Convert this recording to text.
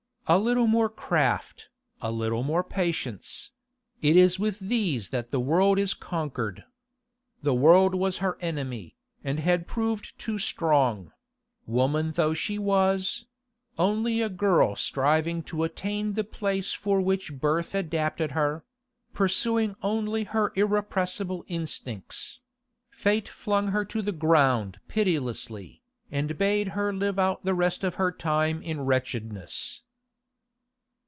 A little more craft, a little more patience—it is with these that the world is conquered. The world was her enemy, and had proved too strong; woman though she was—only a girl striving to attain the place for which birth adapted her—pursuing only her irrepressible instincts—fate flung her to the ground pitilessly, and bade her live out the rest of her time in wretchedness.